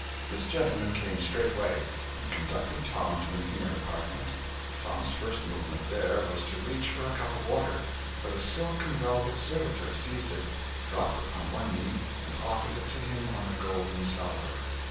This gentleman came straightway, and conducted Tom to an inner apartment. Tom's first movement there was to reach for a cup of water; but a silk and velvet servitor seized it, dropped upon one knee, and offered it to him on a golden salver.